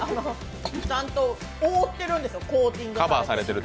ちゃんと覆っているんですよ、コーティングされて。